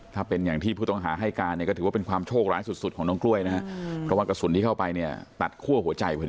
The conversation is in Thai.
ถ้าเป็นอย่างที่ผู้ต้องหาให้การเนี่ยก็ถือว่าเป็นความโชคร้ายสุดของน้องกล้วยนะฮะเพราะว่ากระสุนที่เข้าไปเนี่ยตัดคั่วหัวใจพอดี